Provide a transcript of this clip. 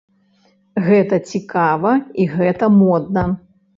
Гэта цікава і гэта модна.